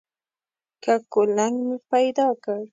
که کولنګ مې پیدا کړ.